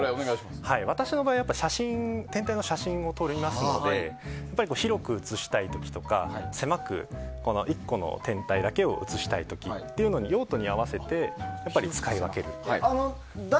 私の場合は天体の写真を撮りますので広く映したい時とか狭く１個の天体だけを映したい時とか用途に合わせて使い分けると。